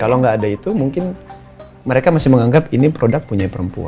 kalau nggak ada itu mungkin mereka masih menganggap ini produk punya perempuan